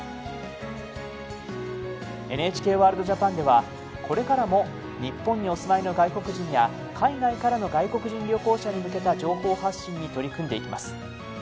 ＮＨＫワールドＪＡＰＡＮではこれからも日本にお住まいの外国人や海外からの外国人旅行者に向けた情報発信に取り組んでいきます。